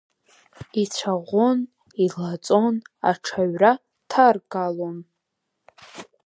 Ицәаӷәон, илаҵон, аҽаҩра ҭаргалон.